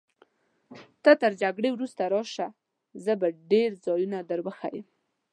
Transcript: ته تر جګړې وروسته راشه، زه به ډېر ځایونه در وښیم.